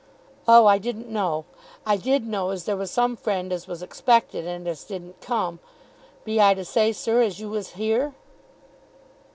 "Oh; I didn't know. I did know as there was some friend as was expected and as didn't come. Be I to say, sir, as you was here?"